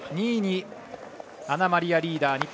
２位に、アナマリア・リーダー。